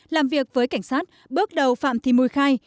làm việc với cảnh sát bước đầu phạm thị mùi khai